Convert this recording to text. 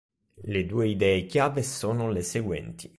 Le due idee chiave sono le seguenti.